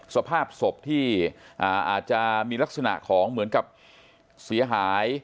สภาพศพที่อาจจะมีลักษณะของเหมือนกับเสียหาย